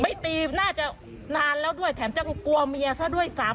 ไม่ตีน่าจะนานแล้วด้วย